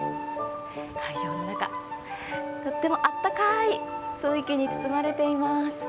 会場の中、とっても温かい雰囲気に包まれています。